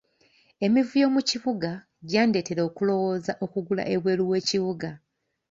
Emivuyo mu kibuga gyandeetera okulowooza okugula ebweru w’ekibuga.